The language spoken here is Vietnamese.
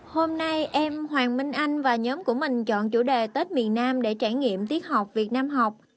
hôm nay em hoàng minh anh và nhóm của mình chọn chủ đề tết miền nam để trải nghiệm tiết học việt nam học